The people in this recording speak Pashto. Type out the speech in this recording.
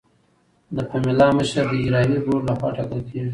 د پملا مشر د اجرایوي بورډ لخوا ټاکل کیږي.